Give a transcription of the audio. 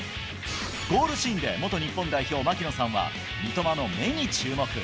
ゴールシーンで元日本代表、槙野さんは、三笘の目に注目。